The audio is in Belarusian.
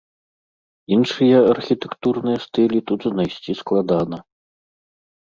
Іншыя архітэктурныя стылі тут знайсці складана.